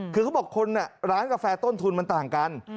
คือเขาบอกคนร้านกาแฟต้นทุนมันต่างกัน